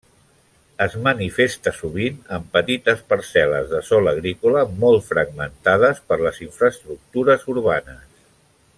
Es manifesta sovint amb petites parcel·les de sòl agrícola molt fragmentades per les infraestructures urbanes.